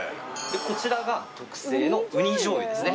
こちらが特製のウニ醤油ですね